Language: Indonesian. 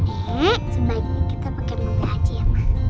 sebaiknya kita pakai mobil aja ya ma